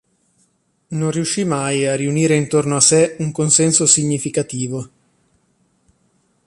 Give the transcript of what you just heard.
Non riuscì mai a riunire intorno a sé un consenso significativo.